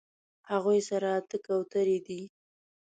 هغوی سره اتۀ کوترې دي